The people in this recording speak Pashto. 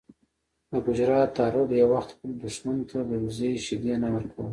د ګجرات تارړ یو وخت خپل دښمن ته د وزې شیدې نه ورکولې.